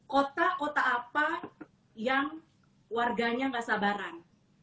kota kota apa yang warganya nggak sabaran